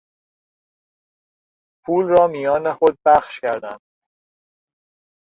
پول را میان خود بخش کردند.